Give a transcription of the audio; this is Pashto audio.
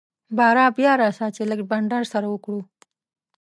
باره بيا راسه چي لږ بانډار سره وکو.